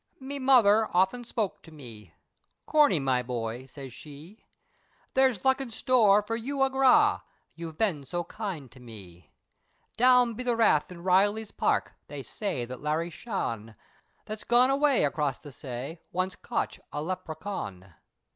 ME mother often spoke to me, "Corney me boy," siz she, "There's luck in store for you agra! You've been so kind to me! Down be the rath in Reilly's Park They say that Larry Shawn That's gone away across the say, Once cotch a Leprechawn.